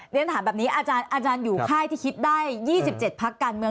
เรียนถามแบบนี้อาจารย์อยู่ค่ายที่คิดได้๒๗พักการเมือง